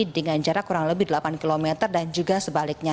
dengan jarak kurang lebih delapan km dan juga sebaliknya